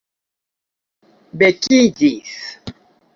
vekiĝis